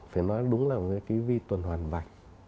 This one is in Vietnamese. phải nói đúng là cái vi tuần hoàn vạch